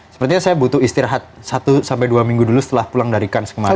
sepertinya saya butuh istirahat satu sampai dua minggu dulu setelah pulang dari kans kemarin